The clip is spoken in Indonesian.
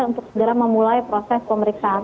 untuk segera memulai proses pemeriksaan